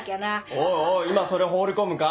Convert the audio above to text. おいおい今それ放り込むか？